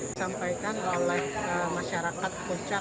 disampaikan oleh masyarakat